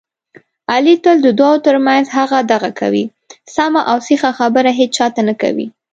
علي تل د دوو ترمنځ هغه دغه کوي، سمه اوسیخه خبره هېچاته نه کوي.